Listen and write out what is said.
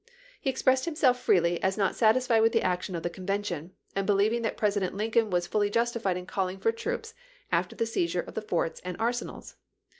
He expressed himself freely as not satisfied with the action of the Convention, and belie\dng that Presi dent Lincoln was fully justified in calling for troops after the seizure of the forts and arsenals.